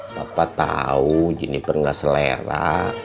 bapak tau jinipen gak selera